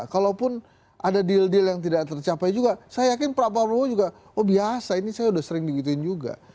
kalaupun ada deal deal yang tidak tercapai juga saya yakin pak prabowo juga oh biasa ini saya sudah sering digituin juga